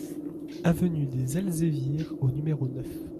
Avenue des Elzévirs au numéro neuf